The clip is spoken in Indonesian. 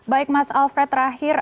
baik mas alfred terakhir